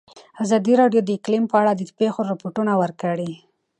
ازادي راډیو د اقلیم په اړه د پېښو رپوټونه ورکړي.